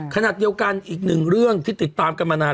ขณะเดียวกันอีกหนึ่งเรื่องที่ติดตามกันมานาน